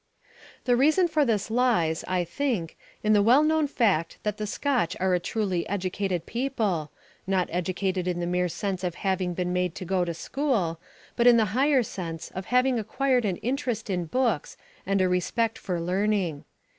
The reason for this lies, I think, in the well known fact that the Scotch are a truly educated people, not educated in the mere sense of having been made to go to school, but in the higher sense of having acquired an interest in books and a respect for learning.